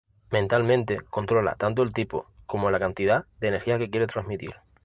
Mentalmente controla tanto el tipo como la cantidad de energía que quiere transmitir.